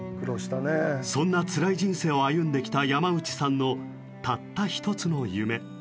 そんなつらい人生を歩んできた山内さんのたった一つの夢。